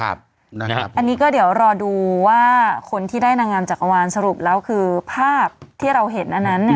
อันนี้ก็เดี๋ยวรอดูว่าคนที่ได้นางงามจักรวาลสรุปแล้วคือภาพที่เราเห็นอันนั้น